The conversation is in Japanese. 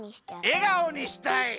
えがおにしたい。